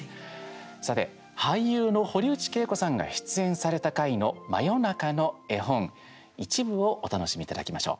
さて、俳優の堀内敬子さんが出演された回の「真夜中の絵本」一部をお楽しみいただきましょう。